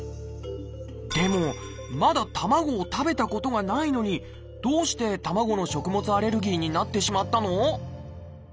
でもまだ卵を食べたことがないのにどうして卵の食物アレルギーになってしまったの？